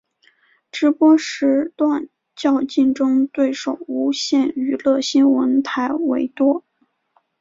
直播时段较竞争对手无线娱乐新闻台为多。